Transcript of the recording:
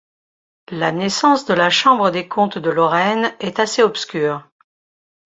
La naissance de la Chambre des comptes de Lorraine est assez obscure.